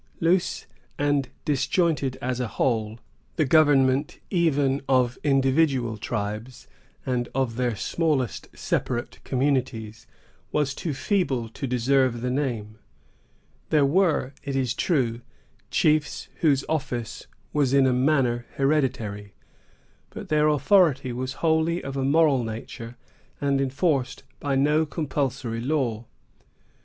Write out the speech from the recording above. Loose and disjointed as a whole, the government even of individual tribes, and of their smallest separate communities, was too feeble to deserve the name. There were, it is true, chiefs whose office was in a manner hereditary; but their authority was wholly of a moral nature, and enforced by no compulsory law.